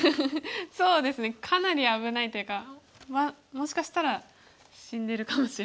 そうですねかなり危ないというかもしかしたら死んでるかもしれないです。